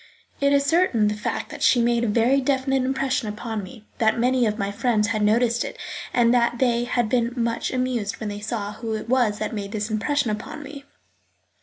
It is certainly the fact that she made a very definite impression upon me, that many of my friends had noticed it and that they had been much amused when they saw who it was that made this impression upon me.